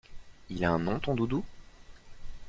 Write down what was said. Il a un nom ton doudou?